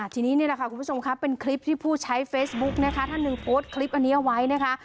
ที่นี้ค่ะคุณผู้ชมเป็นคลิปที่ผู้ใช้เฟซบุ๊คถ้าหนึ่งโพสต์คลิปอันนี้ไว้นะคะ